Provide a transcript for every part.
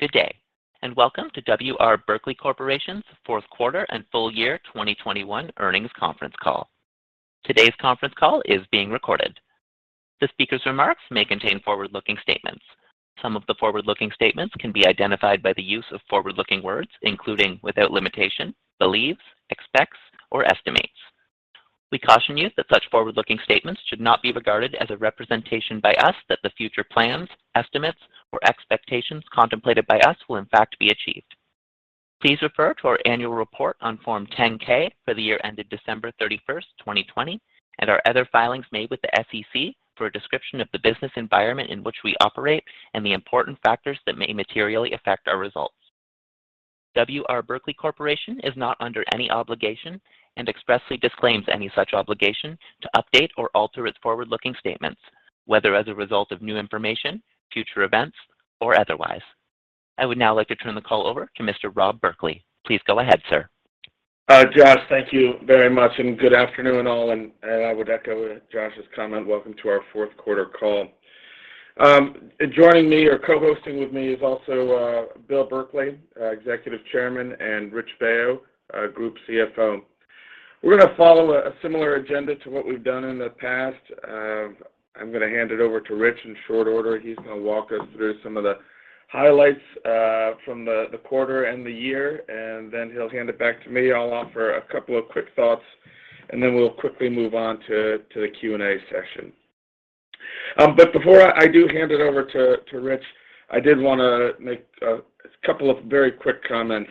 Good day, and welcome to W. R. Berkley Corporation's fourth quarter and full year 2021 earnings conference call. Today's conference call is being recorded. The speaker's remarks may contain forward-looking statements. Some of the forward-looking statements can be identified by the use of forward-looking words, including, without limitation, believes, expects, or estimates. We caution you that such forward-looking statements should not be regarded as a representation by us that the future plans, estimates, or expectations contemplated by us will in fact be achieved. Please refer to our annual report on Form 10-K for the year ended December 31, 2020, and our other filings made with the SEC for a description of the business environment in which we operate and the important factors that may materially affect our results. W. R. Berkley Corporation is not under any obligation and expressly disclaims any such obligation to update or alter its forward-looking statements, whether as a result of new information, future events, or otherwise. I would now like to turn the call over to Mr. Rob Berkley. Please go ahead, sir. Josh, thank you very much, and good afternoon, all, and I would echo Josh's comment. Welcome to our fourth quarter call. Joining me or co-hosting with me are Bill Berkley, our Executive Chairman, and Rich Baio, our Group CFO. We're gonna follow a similar agenda to what we've done in the past. I'm gonna hand it over to Rich in short order. He's gonna walk us through some of the highlights from the quarter and the year, and then he'll hand it back to me. I'll offer a couple of quick thoughts, and then we'll quickly move on to the Q&A session. But before I hand it over to Rich, I did wanna make a couple of very quick comments.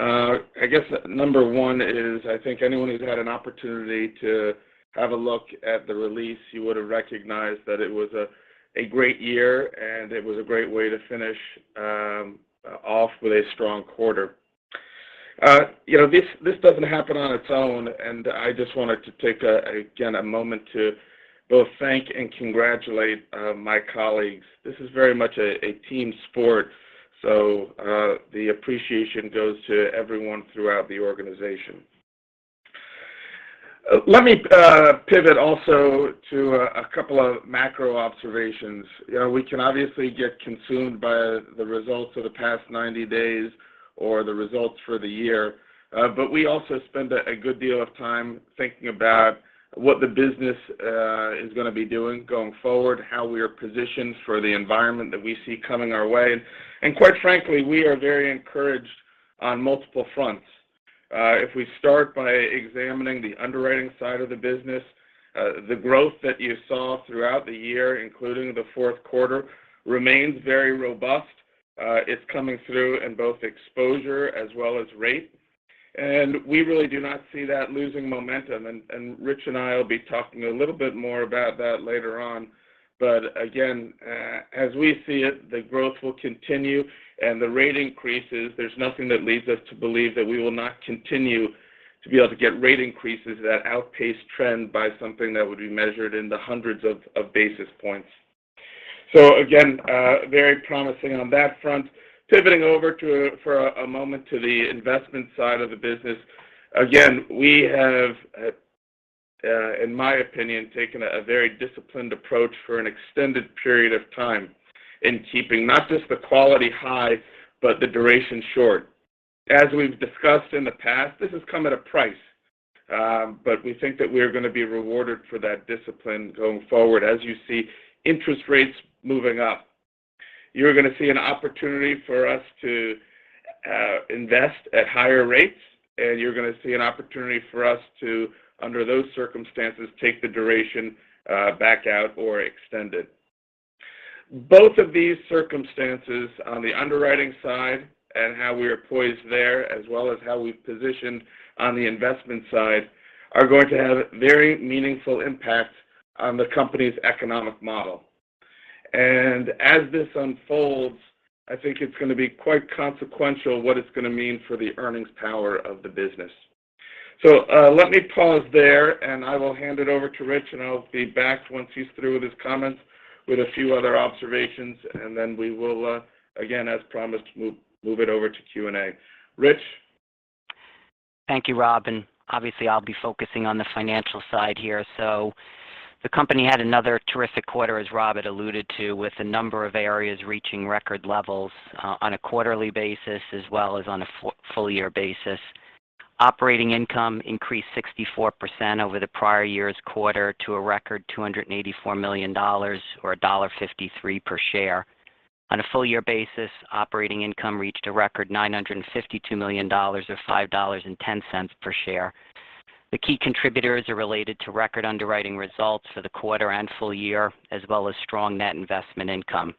I guess number one is I think anyone who's had an opportunity to have a look at the release, you would have recognized that it was a great year, and it was a great way to finish off with a strong quarter. You know, this doesn't happen on its own, and I just wanted to take a moment again to both thank and congratulate my colleagues. This is very much a team sport, so the appreciation goes to everyone throughout the organization. Let me pivot also to a couple of macro observations. You know, we can obviously get consumed by the results of the past 90 days or the results for the year. We also spend a good deal of time thinking about what the business is gonna be doing going forward, how we are positioned for the environment that we see coming our way. Quite frankly, we are very encouraged on multiple fronts. If we start by examining the underwriting side of the business, the growth that you saw throughout the year, including the fourth quarter, remains very robust. It's coming through in both exposure and rate. We really do not see that losing momentum. Rich and I will be talking a little bit more about that later on. Again, as we see it, the growth will continue, and the rate will increase. There's nothing that leads us to believe that we will not continue to be able to get rate increases that outpace trend by something that would be measured in the hundreds of basis points. Again, very promising on that front. Pivoting over to the investment side of the business for a moment. Again, we have, in my opinion, taken a very disciplined approach for an extended period of time in keeping not just the quality high, but the duration short. As we've discussed in the past, this has come at a price, but we think that we're gonna be rewarded for that discipline going forward. As you see interest rates moving up, you're gonna see an opportunity for us to invest at higher rates, and you're gonna see an opportunity for us to, under those circumstances, take the duration back out or extend it. Both of these circumstances on the underwriting side and how we are poised there, as well as how we've positioned on the investment side, are going to have very meaningful impacts on the company's economic model. As this unfolds, I think it's gonna be quite consequential what it's gonna mean for the earnings power of the business. Let me pause there, and I will hand it over to Rich, and I'll be back once he's through with his comments with a few other observations. We will, again, as promised, move it over to Q&A. Rich? Thank you, Rob, and obviously, I'll be focusing on the financial side here. The company had another terrific quarter, as Rob had alluded to, with a number of areas reaching record levels on a quarterly basis as well as on a full-year basis. Operating income increased 64% over the prior year's quarter to a record $284 million or $1.53 per share. On a full-year basis, operating income reached a record $952 million or $5.10 per share. The key contributors are related to record underwriting results for the quarter and full year, as well as strong net investment income.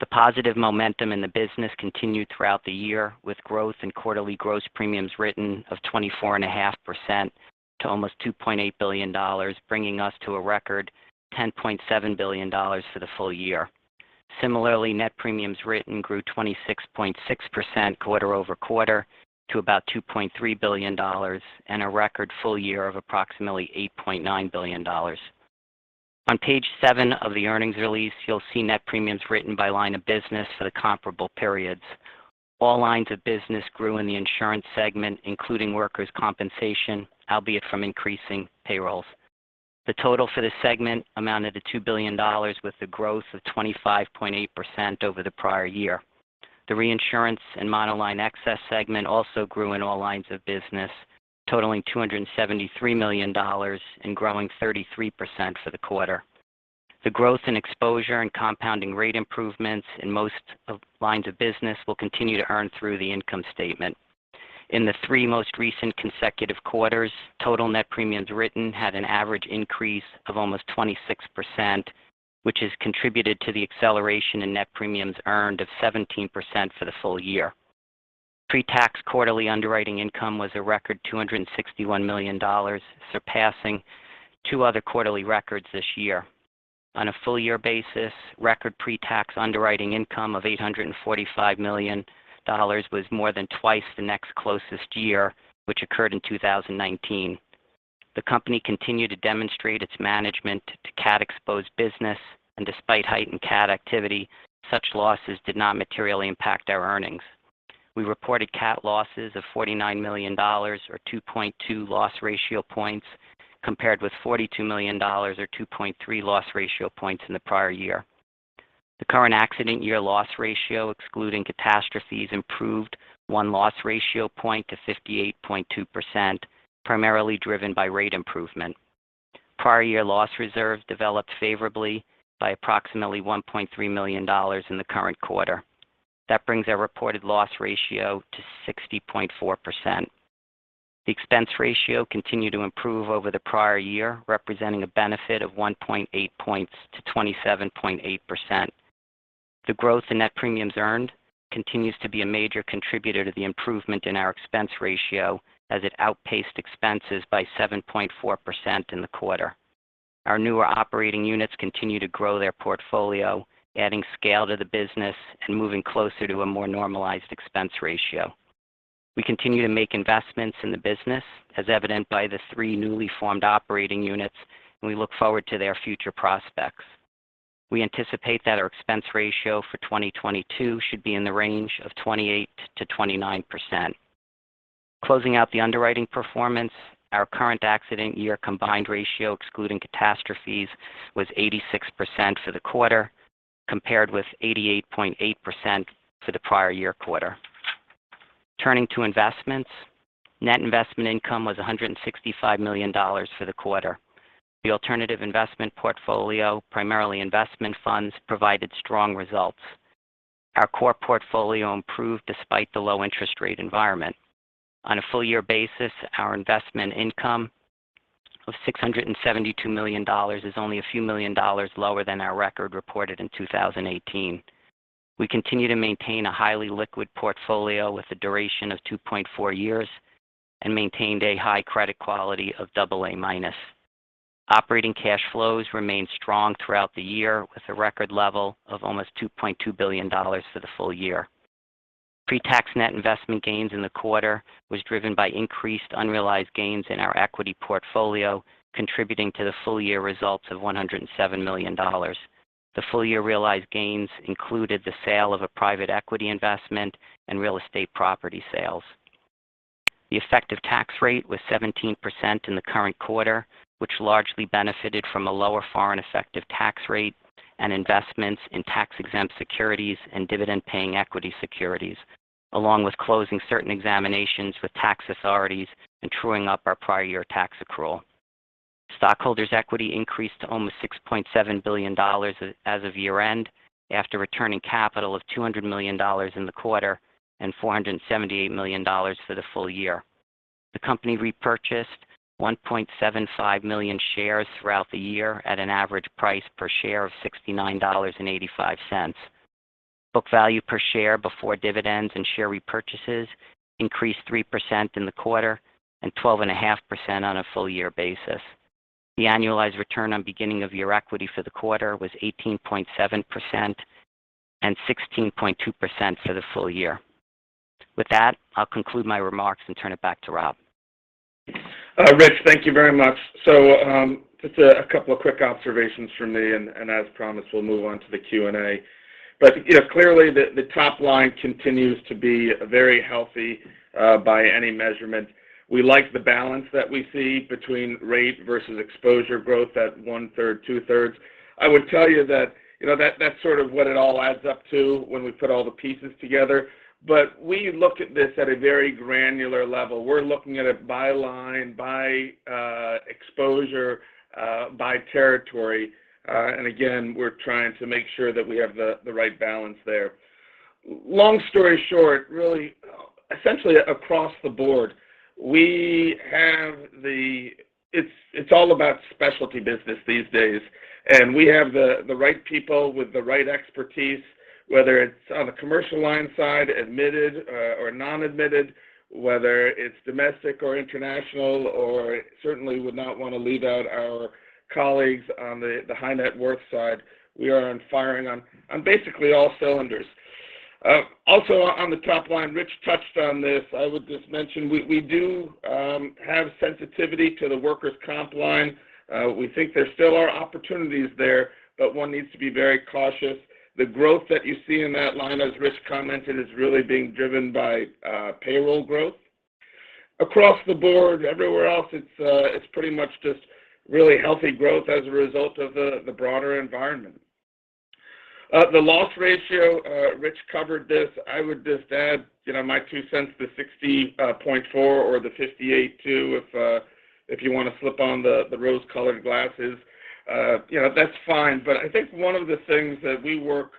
The positive momentum in the business continued throughout the year with growth in quarterly gross premiums written of 24.5% to almost $2.8 billion, bringing us to a record $10.7 billion for the full year. Similarly, net premiums written grew 26.6% quarter-over-quarter to about $2.3 billion and a record full year of approximately $8.9 billion. On page seven of the earnings release, you'll see net premiums written by line of business for the comparable periods. All lines of business grew in the insurance segment, including workers' compensation, albeit from increasing payrolls. The total for the segment amounted to $2 billion, with a growth of 25.8% over the prior year. The Reinsurance & Monoline Excess segment also grew in all lines of business, totaling $273 million and growing 33% for the quarter. The growth in exposure and compounding rate improvements in most lines of business will continue to be reflected in the income statement. In the three most recent consecutive quarters, total net premiums written had an average increase of almost 26%, which has contributed to the acceleration in net premiums earned of 17% for the full year. Pre-tax quarterly underwriting income was a record $261 million, surpassing two other quarterly records this year. On a full-year basis, record pre-tax underwriting income of $845 million was more than twice the next closest year, which occurred in 2019. The company continued to demonstrate its management of cat-exposed business, and despite heightened cat activity, such losses did not materially impact our earnings. We reported cat losses of $49 million or 2.2 loss ratio points, compared with $42 million or 2.3 loss ratio points in the prior year. The current accident year loss ratio, excluding catastrophes, improved 1 loss ratio point to 58.2%, primarily driven by rate improvement. Prior year loss reserves developed favorably by approximately $1.3 million in the current quarter. That brings our reported loss ratio to 60.4%. The expense ratio continued to improve over the prior year, representing a benefit of 1.8 points to 27.8%. The growth in net premiums earned continues to be a major contributor to the improvement in our expense ratio, as it outpaced expenses by 7.4% in the quarter. Our newer operating units continue to grow their portfolio, adding scale to the business and moving closer to a more normalized expense ratio. We continue to make investments in the business, as evidenced by the three newly formed operating units, and we look forward to their future prospects. We anticipate that our expense ratio for 2022 should be in the range of 28%-29%. Closing out the underwriting performance, our current accident year combined ratio, excluding catastrophes, was 86% for the quarter, compared with 88.8% for the prior year quarter. Turning to investments, net investment income was $165 million for the quarter. The alternative investment portfolio, primarily investment funds, provided strong results. Our core portfolio improved despite the low-interest-rate environment. On a full-year basis, our investment income of $672 million is only a few million dollars lower than our record reported in 2018. We continue to maintain a highly liquid portfolio with a duration of 2.4 years and maintain a high credit quality of AA-. Operating cash flows remained strong throughout the year, with a record level of almost $2.2 billion for the full year. Pre-tax net investment gains in the quarter were driven by increased unrealized gains in our equity portfolio, contributing to the full-year results of $107 million. The full year realized gains included the sale of a private equity investment and real estate property sales. The effective tax rate was 17% in the current quarter, which largely benefited from a lower foreign effective tax rate and investments in tax-exempt securities and dividend-paying equity securities, along with closing certain examinations with tax authorities and truing up our prior year tax accrual. Stockholders' equity increased to almost $6.7 billion as of year-end after returning capital of $200 million in the quarter and $478 million for the full year. The company repurchased 1.75 million shares throughout the year at an average price per share of $69.85. Book value per share before dividends and share repurchases increased 3% in the quarter and 12.5% on a full-year basis. The annualized return on beginning-of-year equity for the quarter was 18.7% and 16.2% for the full year. With that, I'll conclude my remarks and turn it back to Rob. Rich, thank you very much. Just a couple of quick observations from me, and as promised, we'll move on to the Q&A. You know, clearly, the top line continues to be very healthy by any measurement. We like the balance that we see between rate versus exposure growth at one-third, two-thirds. I would tell you that you know that's sort of what it all adds up to when we put all the pieces together. We look at this at a very granular level. We're looking at it by line, by exposure, by territory, and again, we're trying to make sure that we have the right balance there. Long story short, really, essentially across the board, It's all about specialty business these days, and we have the right people with the right expertise, whether it's on the commercial line side, admitted, or non-admitted, whether it's domestic or international, or certainly would not wanna leave out our colleagues on the high net worth side. We are firing on basically all cylinders. Also on the top line, Rich touched on this. I would just mention we do have sensitivity to the workers' comp line. We think there are still opportunities there, but one needs to be very cautious. The growth that you see in that line, as Rich commented, is really being driven by payroll growth. Across the board, everywhere else, it's pretty much just really healthy growth as a result of the broader environment. The loss ratio, Rich covered this. I would just add, you know, my two cents, the 60.4% or the 58% too, if you wanna slip on the rose-colored glasses. You know, that's fine. But I think one of the things that we work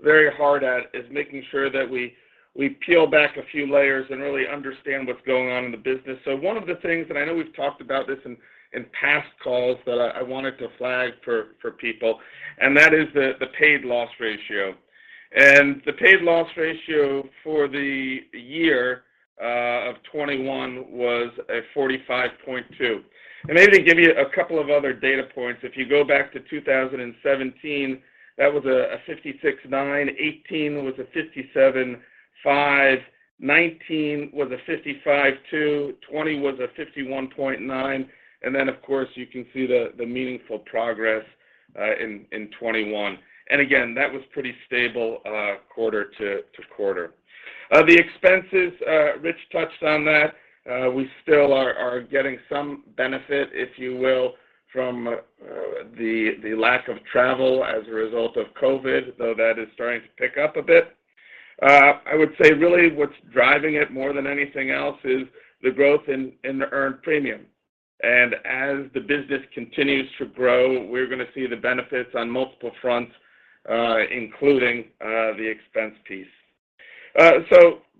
very hard at is making sure that we peel back a few layers and really understand what's going on in the business. One of the things, and I know we've talked about this in past calls, that I wanted to flag for people, and that is the paid loss ratio. The paid loss ratio for the year 2021 was 45.2%. Maybe to give you a couple of other data points, if you go back to 2017, that was a 56.9%. 2018 was a 57.5%. 2019 was a 55.2%. 2020 was a 51.9%. Then, of course, you can see the meaningful progress in 2021. Again, that was a pretty stable quarter-to-quarter. The expenses, Rich touched on that. We still are getting some benefit, if you will, from the lack of travel as a result of COVID, though that is starting to pick up a bit. I would say, really, what's driving it more than anything else is the growth in the earned premium. As the business continues to grow, we're gonna see the benefits on multiple fronts, including the expense piece.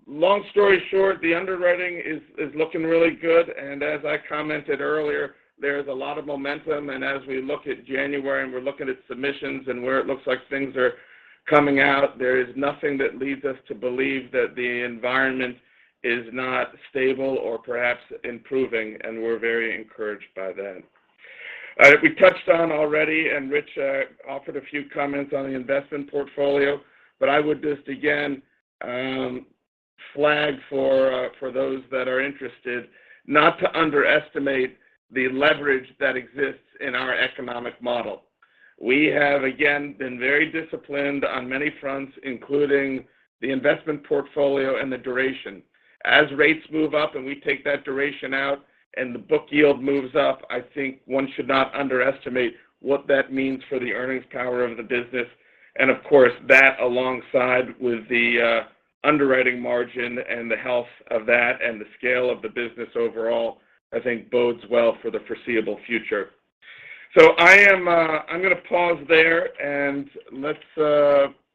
Long story short, the underwriting is looking really good. As I commented earlier, there's a lot of momentum. As we look at January and we're looking at submissions and where it looks like things are coming out, there is nothing that leads us to believe that the environment is not stable or perhaps improving, and we're very encouraged by that. We touched on this already, and Rich offered a few comments on the investment portfolio, but I would just again flag for those that are interested not to underestimate the leverage that exists in our economic model. We have again been very disciplined on many fronts, including the investment portfolio and the duration. As rates move up and we take that duration out, and the book yield moves up, I think one should not underestimate what that means for the earnings power of the business. Of course, that alongside the underwriting margin and the health of that and the scale of the business overall, I think bodes well for the foreseeable future. I am, I'm gonna pause there, and let's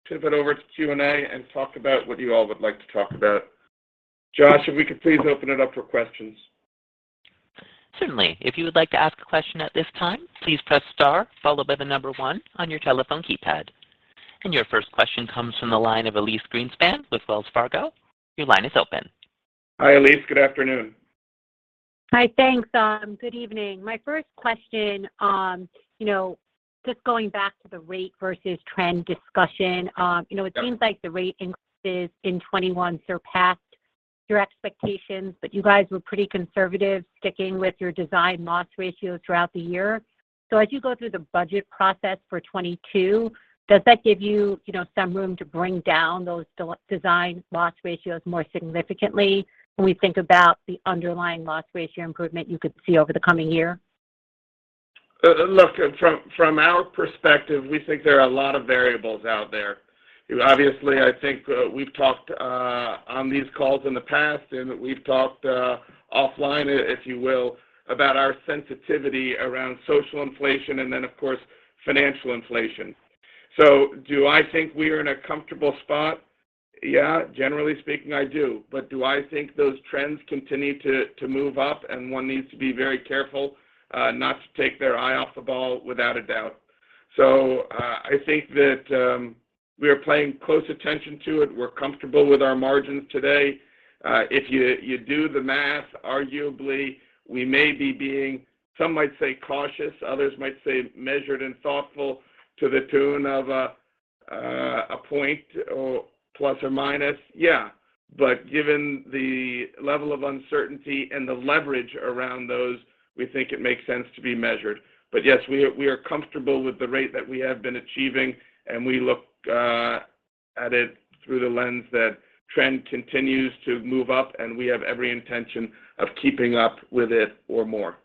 tip it over to Q&A and talk about what you all would like to talk about. Josh, if we could please open it up for questions. Certainly. If you would like to ask a question at this time, please press star followed by the number one on your telephone keypad. Your first question comes from the line of Elyse Greenspan with Wells Fargo. Your line is open. Hi, Elyse. Good afternoon. Hi. Thanks. Good evening. My first question, you know, just going back to the rate versus trend discussion, Yeah You know, it seems like the rate increases in 2021 surpassed your expectations, but you guys were pretty conservative, sticking with your design loss ratio throughout the year. As you go through the budget process for 2022, does that give you know, some room to bring down those design loss ratios more significantly when we think about the underlying loss ratio improvement you could see over the coming year? Look, from our perspective, we think there are a lot of variables out there. Obviously, I think, we've talked on these calls in the past, and we've talked offline, if you will, about our sensitivity around social inflation and then, of course, financial inflation. Do I think we're in a comfortable spot? Yeah, generally speaking, I do. Do I think those trends continue to move up, and one needs to be very careful not to take their eye off the ball? Without a doubt. I think that we are paying close attention to it. We're comfortable with our margins today. If you do the math, arguably, we may be being, some might say, cautious, others might say measured and thoughtful to the tune of a point or plus or minus. Yeah. Given the level of uncertainty and the leverage around those, we think it makes sense to be measured. Yes, we are comfortable with the rate that we have been achieving, and we look at it through the lens that the trend continues to move up, and we have every intention of keeping up with it or more.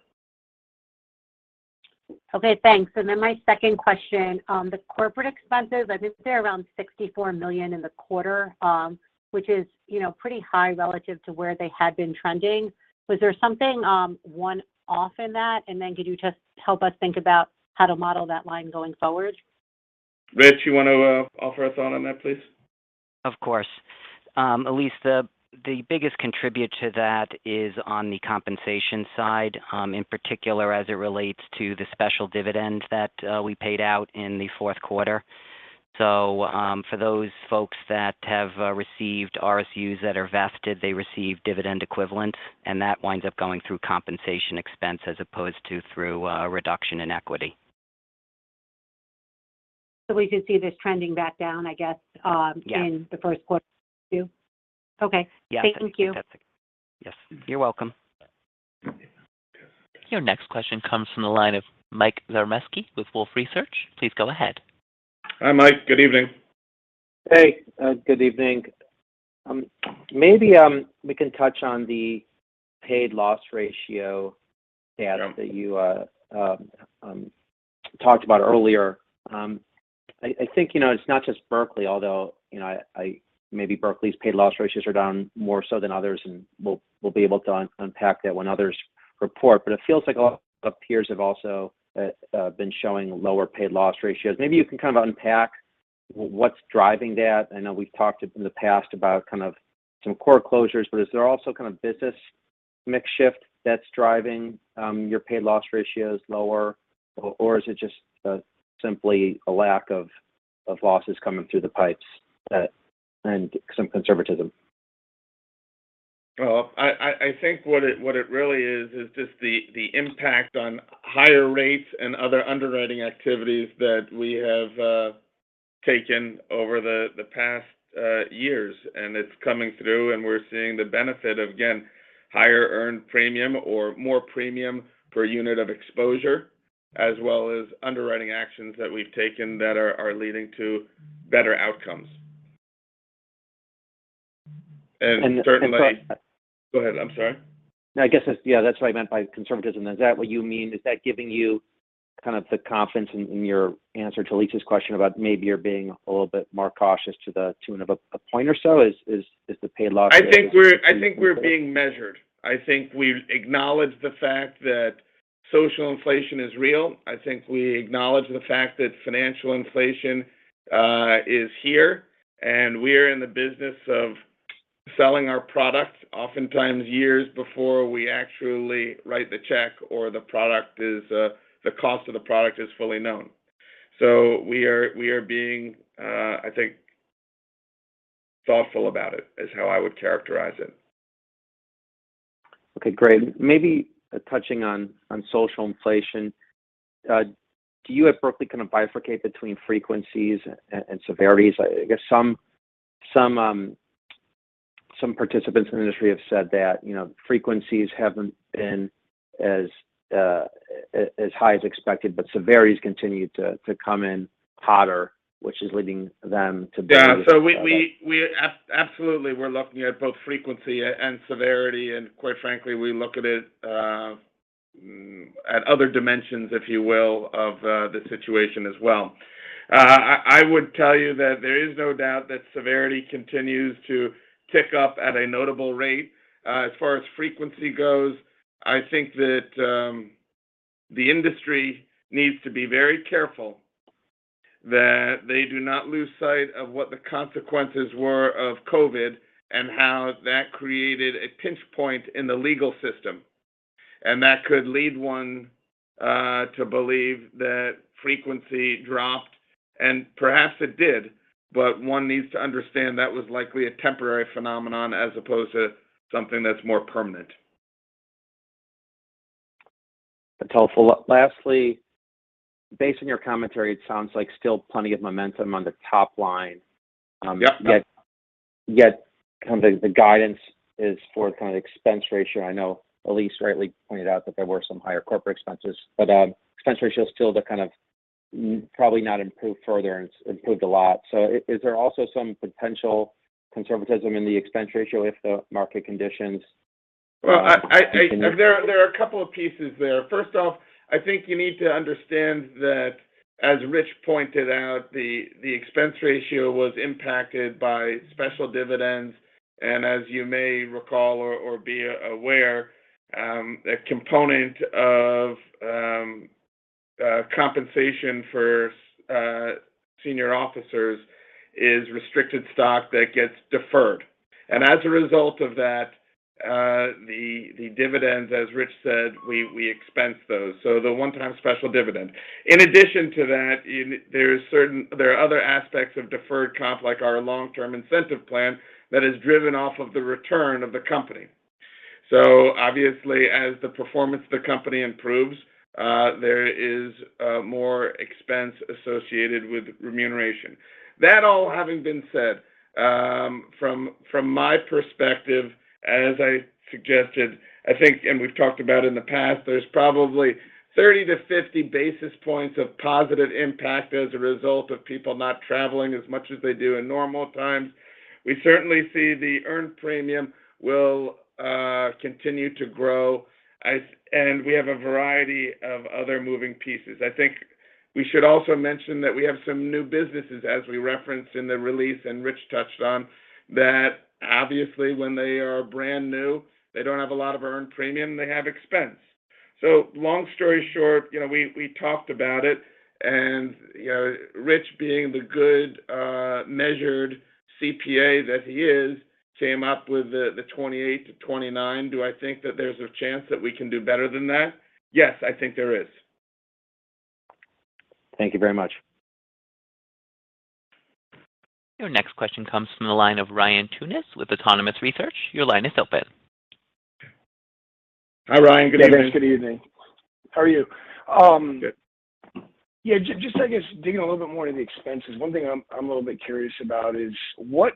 Okay, thanks. My second question, the corporate expenses, I think they're around $64 million in the quarter, which is, you know, pretty high relative to where they had been trending. Was there something one-off in that? Could you just help us think about how to model that line going forward? Rich, you wanna offer a thought on that, please? Of course. Elyse, the biggest contributor to that is on the compensation side, in particular as it relates to the special dividend that we paid out in the fourth quarter. For those folks who have received RSUs that are vested, they receive dividend equivalent, and that winds up going through compensation expense as opposed to through a reduction in equity. We could see this trending back down, I guess. Yeah In the first quarter or two? Okay. Yes. Thank you. That's it. Yes. You're welcome. Your next question comes from the line of Mike Zaremski with Wolfe Research. Please go ahead. Hi, Mike. Good evening. Hey, good evening. Maybe we can touch on the paid loss ratio data. Sure... that you talked about earlier. I think, you know, it's not just Berkley, although, you know, maybe Berkley's paid loss ratios are down more so than others, and we'll be able to unpack that when others report. It feels like all the peers have also been showing lower paid loss ratios. Maybe you can kind of unpack what's driving that. I know we've talked in the past about kind of some core closures, but is there also a kind of business mix shift that's driving your paid loss ratios lower? Or is it just simply a lack of losses coming through the pipes and some conservatism? Well, I think what it really is is just the impact of higher rates and other underwriting activities that we have taken over the past few years. It's coming through, and we're seeing the benefit of, again, higher earned premiums or more premiums per unit of exposure, as well as underwriting actions that we've taken that are leading to better outcomes. Certainly- And, so- Go ahead. I'm sorry. No, I guess that's, yeah, that's what I meant by conservatism. Is that what you mean? Is that giving you kind of the confidence in your answer to Lisa's question about maybe you're being a little bit more cautious to the tune of a point or so? Is the paid loss ratio- I think we're being measured. I think we acknowledge the fact that social inflation is real. I think we acknowledge the fact that financial inflation is here, and we're in the business of selling our product oftentimes years before we actually write the check or the cost of the product is fully known. We are being, I think, thoughtful about it, which is how I would characterize it. Okay, great. Maybe touching on social inflation, do you at Berkley kind of bifurcate between frequencies and severities? I guess some participants in the industry have said that, you know, frequencies haven't been as high as expected, but severities continue to come in hotter, which is leading them to believe- Yeah. We absolutely are looking at both frequency and severity, and quite frankly, we look at it at other dimensions, if you will, of the situation as well. I would tell you that there is no doubt that severity continues to tick up at a notable rate. As far as frequency goes, I think that the industry needs to be very careful that they do not lose sight of what the consequences were of COVID and how that created a pinch point in the legal system. That could lead one to believe that frequency dropped, and perhaps it did, but one needs to understand that it was likely a temporary phenomenon as opposed to something that's more permanent. That's helpful. Lastly, based on your commentary, it sounds like still plenty of momentum on the top line. Yep. Kind of guidance is for kind of expense ratio. I know Elyse rightly pointed out that there were some higher corporate expenses, but the expense ratio is still the kind of probably not improved further and improved a lot. Is there also some potential conservatism in the expense ratio if the market conditions continue- Well, I think you need to understand that, as Rich pointed out, the expense ratio was impacted by special dividends. As you may recall or be aware, a component of compensation for senior officers is restricted stock that gets deferred. As a result of that, the dividends, as Rich said, we expense those, the one-time special dividend. In addition to that, there are other aspects of deferred comp, like our long-term incentive plan, that are driven by the return of the company. Obviously, as the performance of the company improves, there is more expense associated with remuneration. That all having been said, from my perspective, as I suggested, I think, and we've talked about in the past, there's probably 30-50 basis points of positive impact as a result of people not traveling as much as they do in normal times. We certainly see the earned premium will continue to grow as we have a variety of other moving pieces. I think we should also mention that we have some new businesses, as we referenced in the release and Rich touched on, that obviously, when they are brand new, they don't have a lot of earned premium, they have expenses. Long story short, you know, we talked about it and, you know, Rich, being the good measured CPA that he is, came up with the 28-29. Do I think that there's a chance that we can do better than that? Yes, I think there is. Thank you very much. Your next question comes from the line of Ryan Tunis with Autonomous Research. Your line is open. Hi, Ryan. Good evening. Yes, good evening. How are you? Good. Yeah. Just, I guess digging a little bit more into the expenses. One thing I'm a little bit curious about is what?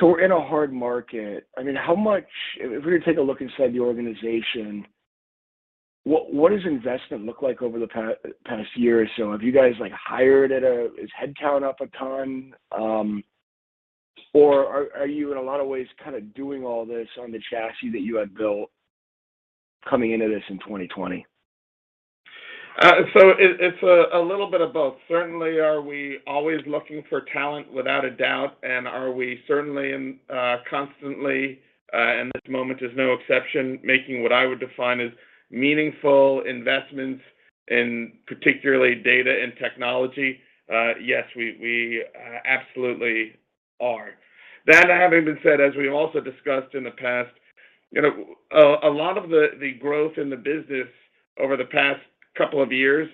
So we're in a hard market. I mean, how much if we're to take a look inside the organization, what does investment look like over the past year or so? Have you guys been hired at a. Is the head count up a ton? Or are you in a lot of ways kind of doing all this on the chassis that you had built coming into this in 2020? It's a little bit of both. Certainly, we are always looking for talent. Without a doubt. We are certainly constantly, and this moment is no exception, making what I would define as meaningful investments in particular data and technology. Yes, we absolutely are. That having been said, as we've also discussed in the past, you know, a lot of the growth in the business over the past couple of years,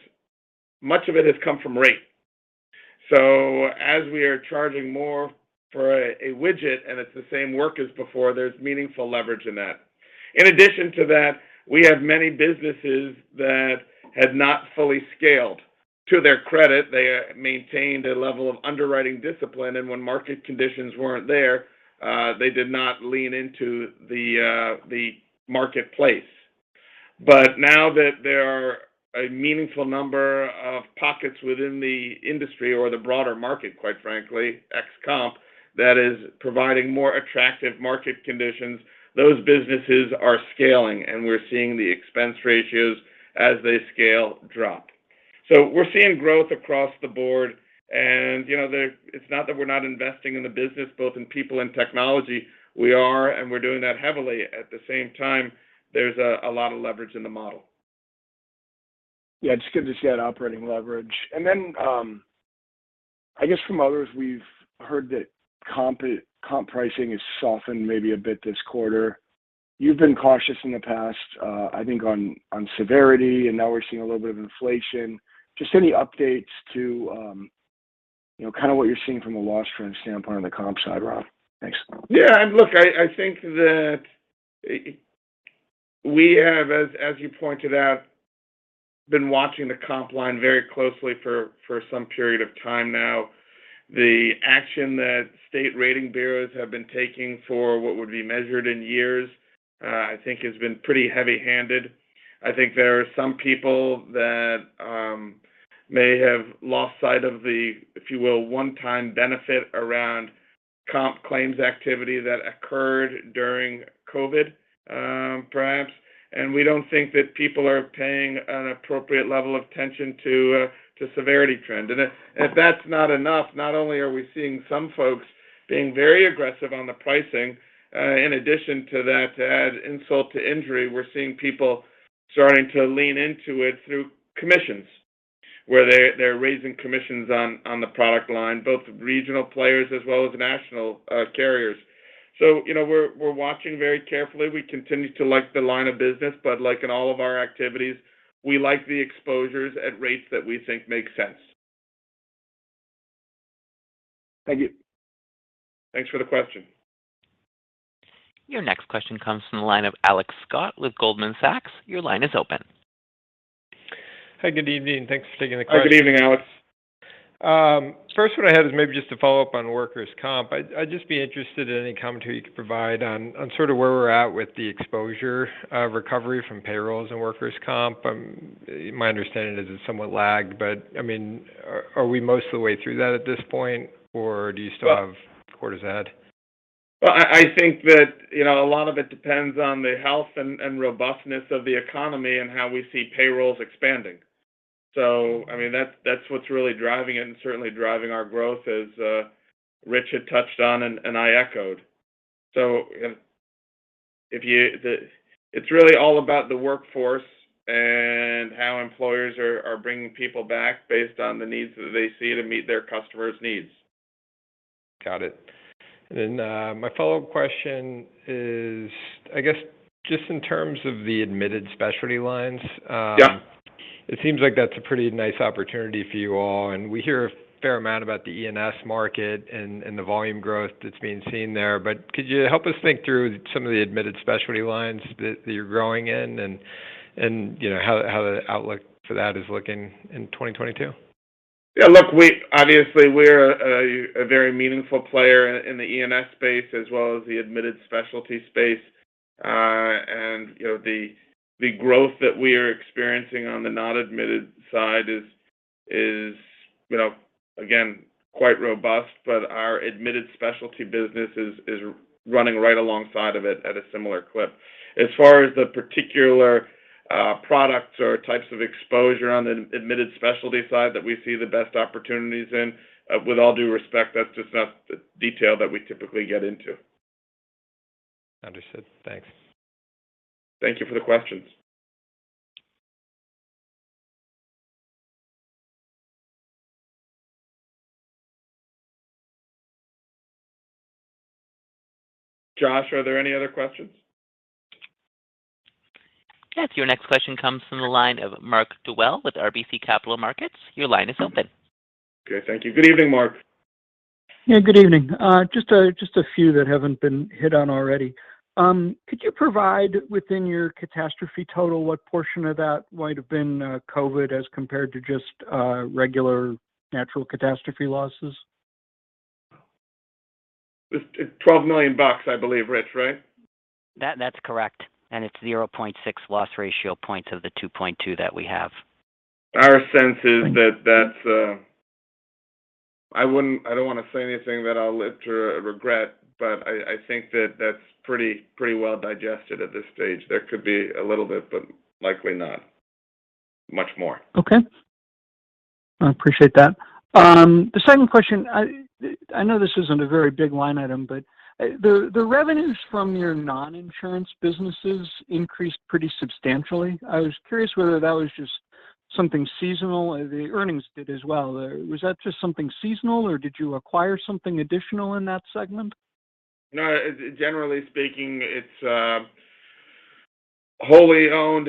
much of it has come from rate. As we are charging more for a widget and it's the same work as before, there's meaningful leverage in that. In addition to that, we have many businesses that have not fully scaled. To their credit, they maintained a level of underwriting discipline, and when market conditions weren't there, they did not lean into the marketplace. Now that there are a meaningful number of pockets within the industry or the broader market, quite frankly, ex comp, that is providing more attractive market conditions, those businesses are scaling, and we're seeing the expense ratios as they scale drop. We're seeing growth across the board and, you know, there. It's not that we're not investing in the business, both in people and technology. We are, and we're doing that heavily. At the same time, there's a lot of leverage in the model. Yeah, it's good to see that operating leverage. I guess from others, we've heard that comp pricing has softened, maybe a bit this quarter. You've been cautious in the past, I think on severity, and now we're seeing a little bit of inflation. Just any updates to, you know, kind of what you're seeing from a loss trend standpoint on the comp side, Rob? Thanks. Yeah. Look, I think that we have, as you pointed out, been watching the comp line very closely for some period of time now. The action that state rating bureaus have been taking for what would be measured in years, I think, has been pretty heavy-handed. I think there are some people who may have lost sight of the, if you will, one-time benefit around comp claims activity that occurred during COVID, perhaps, and we don't think that people are paying an appropriate level of attention to the severity trend. If that's not enough, not only are we seeing some folks being very aggressive on the pricing, but in addition to that, to add insult to injury, we're seeing people starting to lean into it through commissions, where they're raising commissions on the product line, both regional players as well as national carriers. You know, we're watching very carefully. We continue to like the line of business, but like in all of our activities, we like the exposures at rates that we think make sense. Thank you. Thanks for the question. Your next question comes from the line of Alex Scott with Goldman Sachs. Your line is open. Hi. Good evening. Thanks for taking the question. Good evening, Alex. First, what I had was maybe just to follow up on workers' comp. I'd just be interested in any commentary you could provide on sort of where we're at with the exposure, recovery from payrolls, and workers' comp. My understanding is it's somewhat lagged, but I mean, are we most of the way through that at this point, or do you still have quarters ahead? Well, I think that, you know, a lot of it depends on the health and robustness of the economy and how we see payrolls expanding. I mean, that's what's really driving it and certainly driving our growth, as Rich had touched on and I echoed. It's really all about the workforce and how employers are bringing people back based on the needs that they see to meet their customers' needs. Got it. My follow-up question is, I guess, just in terms of the admitted specialty lines, Yeah... it seems like that's a pretty nice opportunity for you all, and we hear a fair amount about the E&S market and the volume growth that's being seen there. Could you help us think through some of the admitted specialty lines that you're growing in and, you know, how the outlook for that is looking in 2022? Yeah. Look, we obviously are a very meaningful player in the E&S space as well as the admitted specialty space. You know, the growth that we are experiencing on the non-admitted side is, you know, again, quite robust. Our admitted specialty business is running right alongside it at a similar clip. As far as the particular products or types of exposure on the admitted specialty side that we see the best opportunities in, with all due respect, that's just not the detail that we typically get into. Understood. Thanks. Thank you for the questions. Josh, are there any other questions? Yes. Your next question comes from the line of Mark Dwelle with RBC Capital Markets. Your line is open. Okay, thank you. Good evening, Mark. Yeah, good evening. Just a few that haven't been hit on already. Could you provide within your catastrophe total what portion of that might have been COVID, as compared to just regular natural catastrophe losses? It's $12 million bucks, I believe, Rich, right? That's correct, and it's 0.6 loss ratio points of the 2.2 that we have. Our sense is that that's. I don't wanna say anything that I'll live to regret, but I think that that's pretty well digested at this stage. There could be a little bit, but likely not much more. Okay. I appreciate that. The second question. I know this isn't a very big line item, but the revenues from your non-insurance businesses increased pretty substantially. I was curious whether that was just something seasonal. The earnings did as well. Was that just something seasonal, or did you acquire something additional in that segment? No, generally speaking, it's wholly owned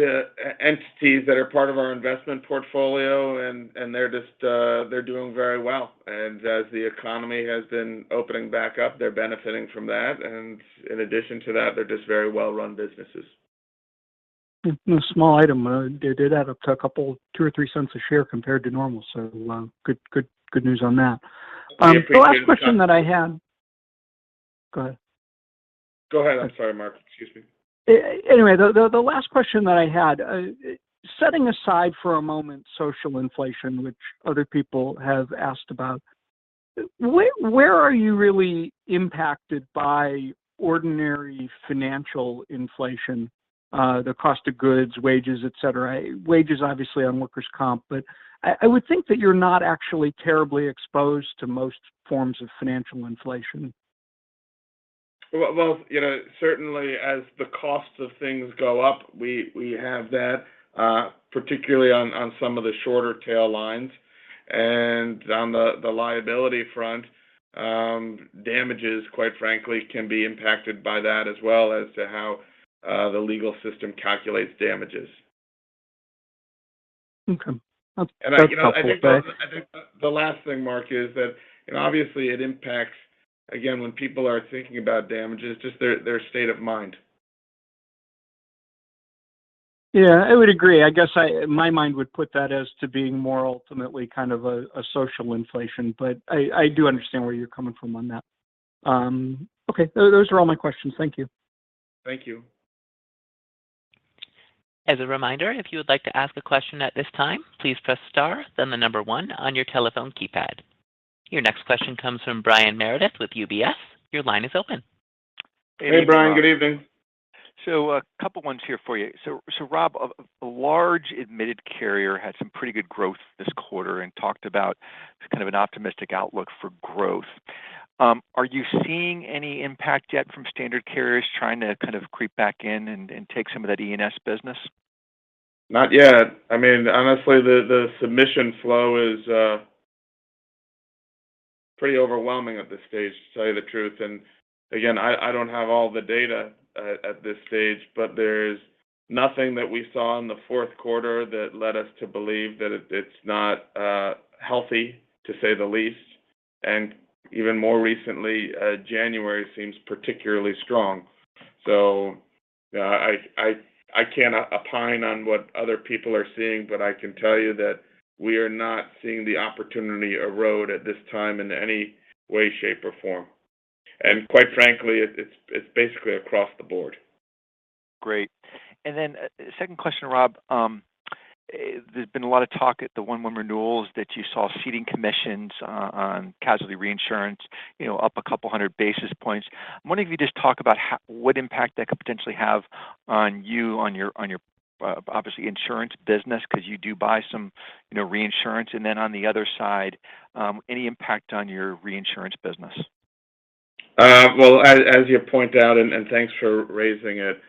entities that are part of our investment portfolio, and they're just doing very well. As the economy has been opening back up, they're benefiting from that. In addition to that, they're just very well-run businesses. A small item. They did add up to a couple, $0.02 or $0.03 a share, compared to normal, so good news on that. The last question that I had. Go ahead. Go ahead. I'm sorry, Mark. Excuse me. Anyway, the last question that I had, setting aside for a moment social inflation, which other people have asked about, where are you really impacted by ordinary financial inflation, the cost of goods, wages, et cetera? Wages obviously on workers' comp, but I would think that you're not actually terribly exposed to most forms of financial inflation. Well, you know, certainly as the cost of things go up, we have that particularly on some of the shorter tail lines. On the liability front, damages, quite frankly, can be impacted by that, as well as how the legal system calculates damages. Okay. That's helpful. Thanks. I you know think the last thing, Mark, is that, you know, obviously it impacts, again, when people are thinking about damages, just their state of mind. Yeah, I would agree. I guess my mind would put that as being more ultimately kind of a social inflation, but I do understand where you're coming from on that. Okay. Those are all my questions. Thank you. Thank you. As a reminder, if you would like to ask a question at this time, please press star, then one on your telephone keypad. Your next question comes from Brian Meredith with UBS. Your line is open. Hey, Brian. Good evening. A couple of ones here for you. Rob, a large admitted carrier, had some pretty good growth this quarter and talked about a kind of optimistic outlook for growth. Are you seeing any impact yet from standard carriers trying to kind of creep back in and take some of that E&S business? Not yet. I mean, honestly, the submission flow is pretty overwhelming at this stage, to tell you the truth. Again, I don't have all the data at this stage, but there's nothing that we saw in the fourth quarter that led us to believe that it's not healthy, to say the least. Even more recently, January seems particularly strong. I cannot opine on what other people are seeing, but I can tell you that we are not seeing the opportunity erode at this time in any way, shape, or form. Quite frankly, it's basically across the board. Great. Second question, Rob. There's been a lot of talk at the 1/1 renewals that you saw ceding commissions on casualty reinsurance, you know, up a couple of hundred basis points. I'm wondering if you just talk about what impact that could potentially have on you, on your, obviously, insurance business, because you do buy some, you know, reinsurance. On the other side, any impact on your reinsurance business? Well, as you point out, and thanks for raising it.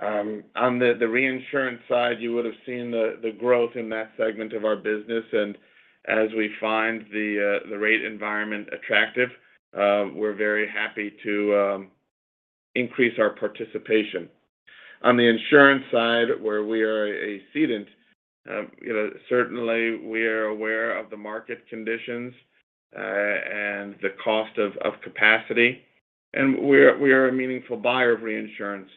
On the reinsurance side, you would've seen the growth in that segment of our business. As we find the rate environment attractive, we're very happy to increase our participation. On the insurance side, where we are a cedent, you know, certainly we are aware of the market conditions and the cost of capacity, and we are a meaningful buyer of reinsurance.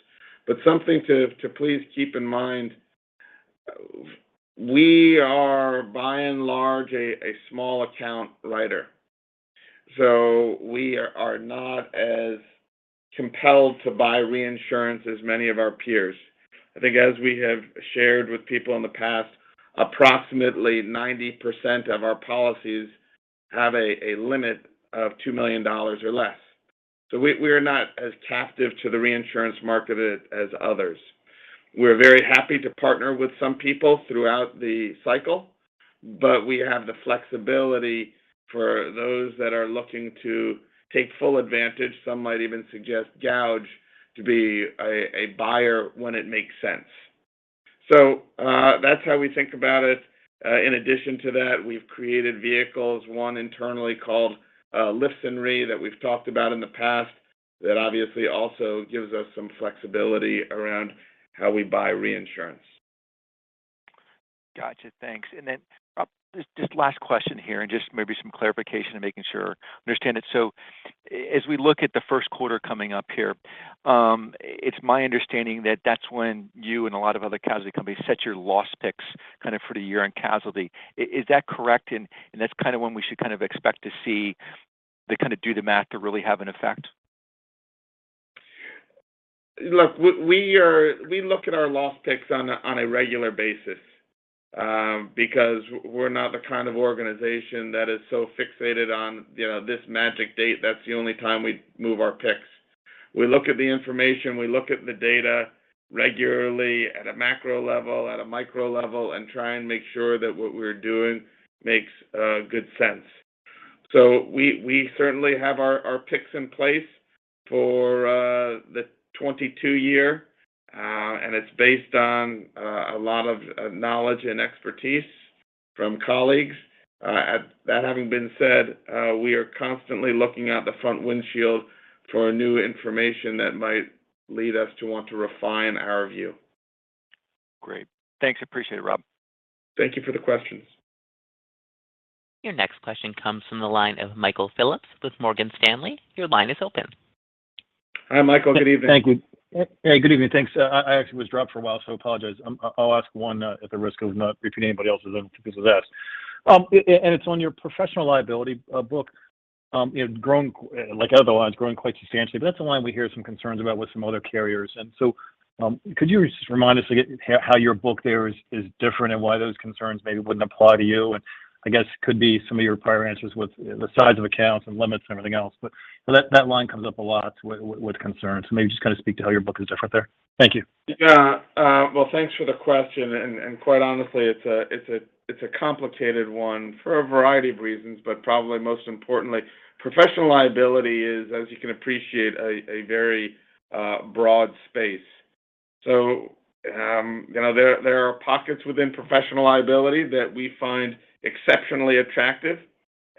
Something to please keep in mind, we are, by and large, a small account writer. We are not as compelled to buy reinsurance as many of our peers. I think, as we have shared with people in the past, approximately 90% of our policies have a limit of $2 million or less. We are not as captive to the reinsurance market as others. We're very happy to partner with some people throughout the cycle, but we have the flexibility for those who are looking to take full advantage; some might even suggest gouging to be a buyer when it makes sense. That's how we think about it. In addition to that, we've created vehicles, one internally called Lifson Re, that we've talked about in the past, that obviously also gives us some flexibility around how we buy reinsurance. Gotcha. Thanks. Just this last question here, and just maybe some clarification, and making sure I understand it. As we look at the first quarter coming up here, it's my understanding that that's when you and a lot of other casualty companies set your loss picks kind of for the year-end casualty. Is that correct? That's kind of when we should kind of expect to see the kind of development to really have an effect? Look, we look at our loss picks on a regular basis, because we're not the kind of organization that is so fixated on, you know, this magic date, that's the only time we move our picks. We look at the information, we look at the data regularly at a macro level, at a micro level, and try to make sure that what we're doing makes good sense. We certainly have our picks in place for 2022, and it's based on a lot of knowledge and expertise from colleagues. That having been said, we are constantly looking out the front windshield for new information that might lead us to want to refine our view. Great. Thanks. Appreciate it, Rob. Thank you for the questions. Your next question comes from the line of Michael Phillips with Morgan Stanley. Your line is open. Hi, Michael. Good evening. Thank you. Hey, good evening. Thanks. I actually was dropped for a while, so I apologize. I'll ask one at the risk of not repeating anybody else's because of that. And it's in your professional liability book. It had grown, like other lines, grown quite substantially, but that's the line we hear some concerns about with some other carriers. Could you just remind us again how your book there is different and why those concerns may not apply to you? I guess it could be some of your prior answers with the size of accounts and limits, and everything else. That line comes up a lot with concerns. Maybe just kind of speak to how your book is different there. Thank you. Yeah. Well, thanks for the question. Quite honestly, it's a complicated one for a variety of reasons, but probably most importantly, professional liability is, as you can appreciate, a very broad space. You know, there are pockets within professional liability that we find exceptionally attractive,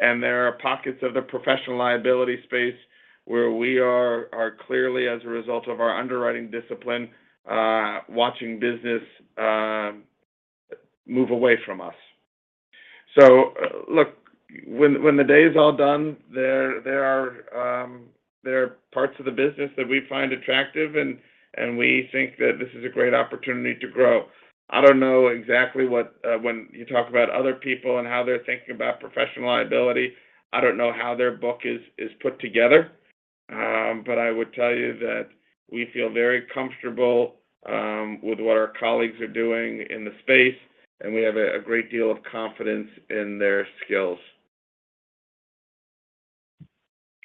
and there are pockets of the professional liability space where we are clearly, as a result of our underwriting discipline, watching business move away from us. Look, when the day is all done, there are parts of the business that we find attractive, and we think that this is a great opportunity to grow. I don't know exactly what when you talk about other people and how they're thinking about professional liability, I don't know how their book is put together. I would tell you that we feel very comfortable with what our colleagues are doing in the space, and we have a great deal of confidence in their skills.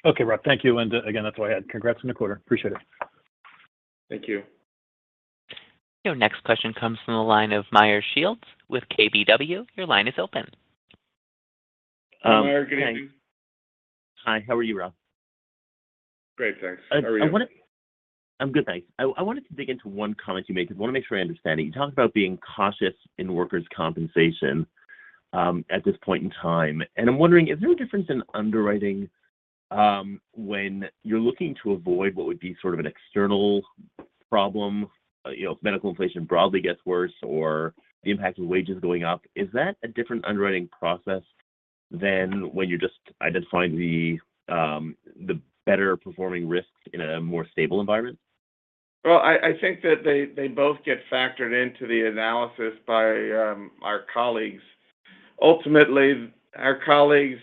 Okay, Rob. Thank you. Again, that's all I had. Congrats on the quarter. Appreciate it. Thank you. Your next question comes from the line of Meyer Shields with KBW. Your line is open. Hey, Meyer. Good evening. Hi. How are you, Rob? Great, thanks. How are you? I'm good, thanks. I wanted to dig into one comment you made because I want to make sure I understand it. You talked about being cautious in workers' compensation at this point in time. I'm wondering, is there a difference in underwriting when you're looking to avoid what would be sort of an external problem, you know, if medical inflation broadly gets worse, or the impact of wages going up? Is that a different underwriting process than when you're just identifying the better-performing risks in a more stable environment? Well, I think that they both get factored into the analysis by our colleagues. Ultimately, our colleagues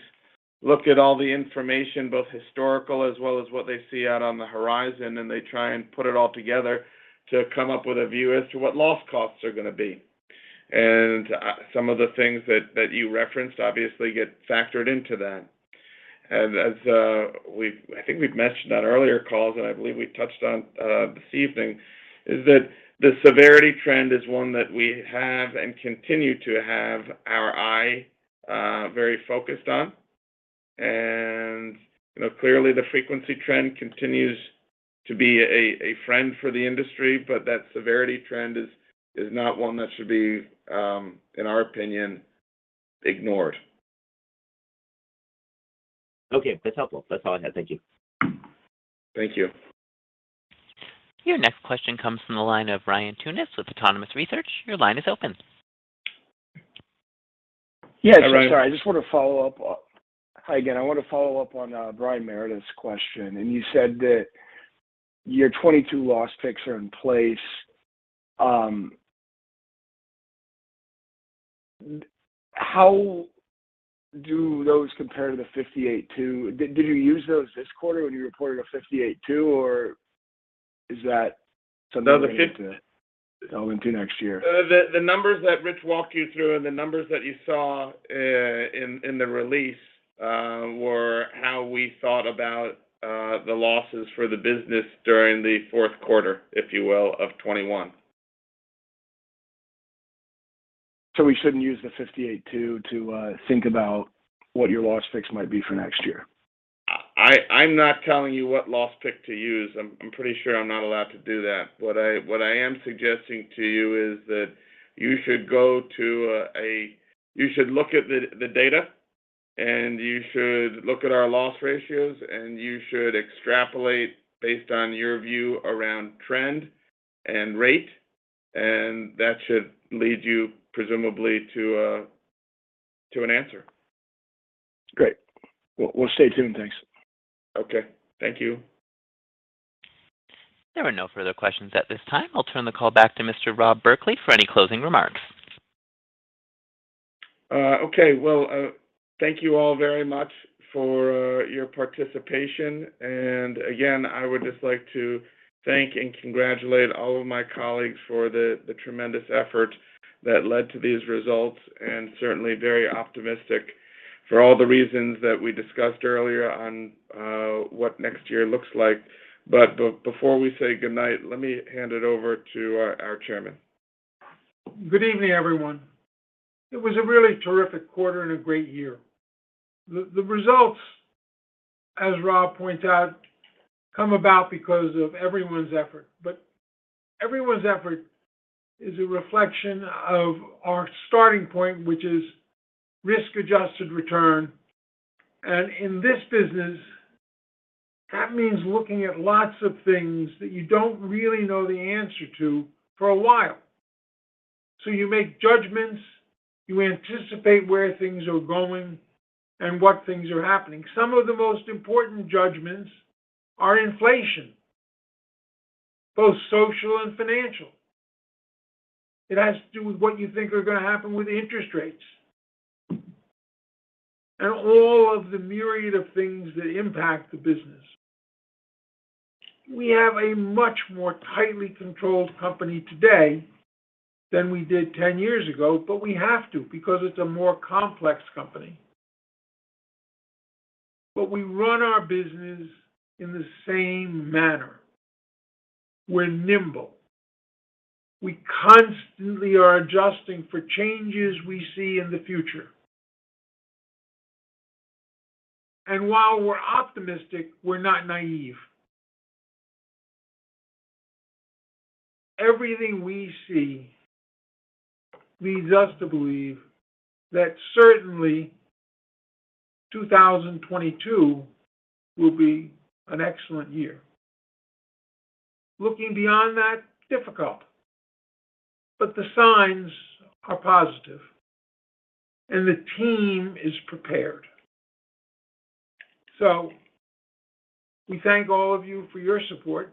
look at all the information, both historical and what they see out on the horizon, and they try to put it all together to come up with a view as to what loss costs are going to be. Some of the things that you referenced obviously get factored into that. As we've mentioned on earlier calls, and I believe we touched on this evening, the severity trend is one that we have and continue to have our eye very focused on. You know, clearly the frequency trend continues to be a friend for the industry, but that severity trend is not one that should be, in our opinion, ignored. Okay, that's helpful. That's all I had. Thank you. Thank you. Your next question comes from the line of Ryan Tunis with Autonomous Research. Your line is open. Hi, Ryan. Yeah, sorry, I just want to follow up. Hi again. I want to follow up on Brian Meredith's question. You said that your 2022 loss picks are in place. How do those compare to the 58.2? Did you use those this quarter when you reported a 58.2, or is that something- No, the fifth- to delve into next year? The numbers that Rich walked you through and the numbers that you saw in the release were how we thought about the losses for the business during the fourth quarter, if you will, of 2021. We shouldn't use the 58.2% to think about what your loss picks might be for next year? I'm not telling you what loss pick to use. I'm pretty sure I'm not allowed to do that. What I am suggesting to you is that you should look at the data, and you should look at our loss ratios, and you should extrapolate based on your view around trend and rate, and that should lead you presumably to an answer. Great. We'll stay tuned. Thanks. Okay. Thank you. There are no further questions at this time. I'll turn the call back to Mr. Rob Berkley for any closing remarks. Okay. Well, thank you all very much for your participation. Again, I would just like to thank and congratulate all of my colleagues for the tremendous effort that led to these results, and certainly very optimistic for all the reasons that we discussed earlier on what next year looks like. Before we say good night, let me hand it over to our chairman. Good evening, everyone. It was a really terrific quarter and a great year. The results, as Rob pointed out, come about because of everyone's effort. Everyone's effort is a reflection of our starting point, which is risk-adjusted return. In this business, that means looking at lots of things that you don't really know the answer to for a while. You make judgments, you anticipate where things are going, and what things are happening. Some of the most important judgments are inflation, both social and financial. It has to do with what you think are gonna happen with interest rates and all of the myriad things that impact the business. We have a much more tightly controlled company today than we did 10 years ago, but we have to because it's a more complex company. We run our business in the same manner. We're nimble. We constantly are adjusting for changes we see in the future. While we're optimistic, we're not naive. Everything we see leads us to believe that 2022 will certainly be an excellent year. Looking beyond that is difficult, but the signs are positive, and the team is prepared. We thank all of you for your support,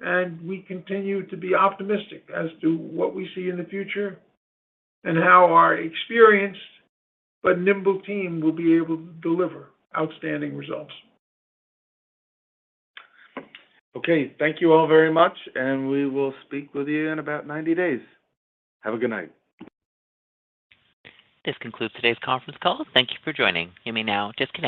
and we continue to be optimistic as to what we see in the future and how our experienced but nimble team will be able to deliver outstanding results. Okay, thank you all very much, and we will speak with you in about 90 days. Have a good night. This concludes today's conference call. Thank you for joining. You may now disconnect.